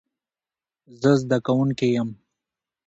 زه زدکونکې ېم